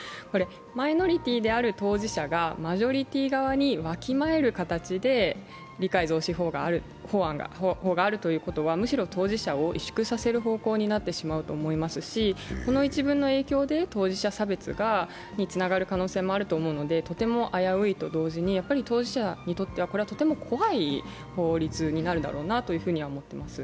マイノリティである当事者がマジョリティー側にわきまえる形で理解増進法があるということは、むしろ当事者を萎縮させる方向になってしますと思いますしこの一文の影響で当事者差別につながる可能性もあるので、とても危ういと思うと同時に、やっぱり当事者にとってはこれはとても怖い法律になるだろうなと思います。